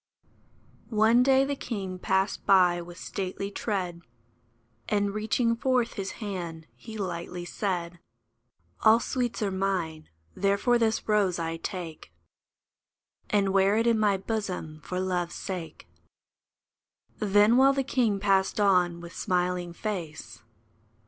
One day the king passed by with stately tread, And, reaching forth his hand, he lightly said, '* All sweets are mine ; therefore this rose I take, And wear it in my bosom for Love's sake." Then, while the king passed on with smiling face.